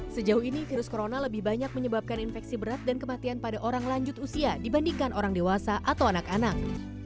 sejauh ini virus corona lebih banyak menyebabkan infeksi berat dan kematian pada orang lanjut usia dibandingkan orang dewasa atau anak anak